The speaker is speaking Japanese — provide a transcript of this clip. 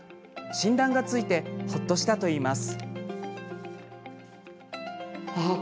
診断がついてほっとしたといいます。